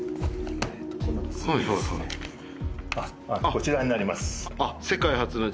こちらになります。